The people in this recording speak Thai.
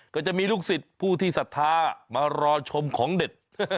ก็จะมีลูกศิษย์ผู้ที่ศรัทธามารอชมของเด็ด